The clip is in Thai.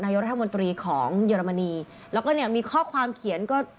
รัฐมนตรีของเยอรมนีแล้วก็เนี่ยมีข้อความเขียนก็